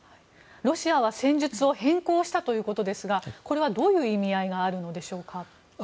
ロシアは戦術を変更したということですがこれはどういう意味合いがあるのでしょうか。